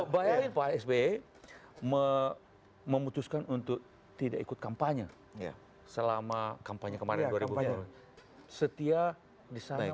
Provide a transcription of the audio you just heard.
bayarin pak sbe memutuskan untuk tidak ikut kampanye selama kampanye kemarin setia disana